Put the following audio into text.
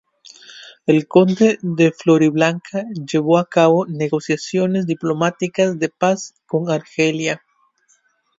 El conde de Floridablanca llevó a cabo negociaciones diplomáticas de paz con Argelia.